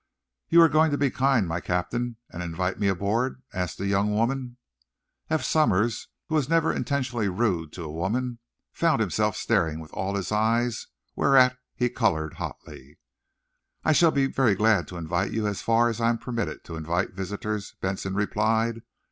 "You are going to be kind, my Captain, and invite me aboard?" asked the young woman. Eph Somers, who was never intentionally rude to a woman, found himself staring with all his eyes, whereat he colored hotly. "I shall be very glad to invite you as far as I am permitted to invite visitors," Benson replied.